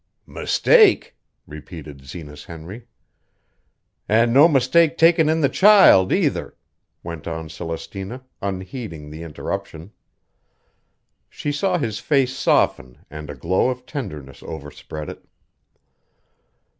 "Mistake!" repeated Zenas Henry. "An' no mistake takin' in the child, either," went on Celestina, unheeding the interruption. She saw his face soften and a glow of tenderness overspread it.